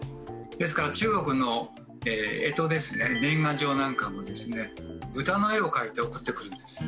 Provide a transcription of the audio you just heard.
ですから中国の干支ですね年賀状なんかもですね豚の絵を描いて送ってくるんです。